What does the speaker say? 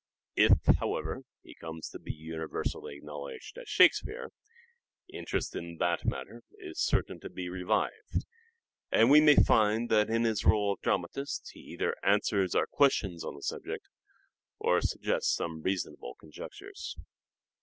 If, however, he comes to be universally acknowledged as Shakespeare, interest in the matter is certain to be revived, and we may find that in his rdle of dramatist he either answers our questions on the subject, or suggests some reason able conjectures.